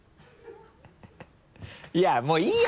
いやもういいや！